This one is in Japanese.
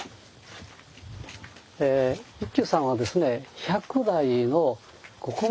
一休さんはですね